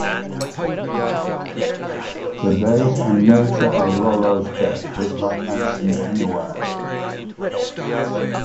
The date and nature of Iollas' death is not mentioned anywhere.